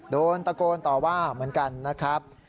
โดนตะโกนต่อว่าเหมือนกันนะครับ